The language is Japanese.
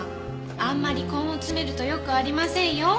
あんまり根を詰めるとよくありませんよ。